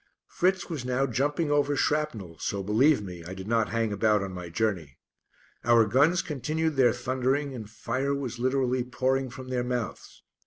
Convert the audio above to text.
Fritz was now jumping over shrapnel, so, believe me, I did not hang about on my journey. Our guns continued their thundering and fire was literally pouring from their mouths.